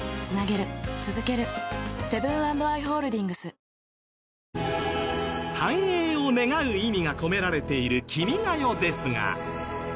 実は『君が代』は元々繁栄を願う意味が込められている『君が代』ですが。